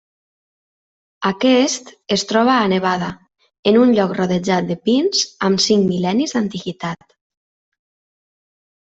Aquest es troba a Nevada, en un lloc rodejat de pins amb cinc mil·lennis d'antiguitat.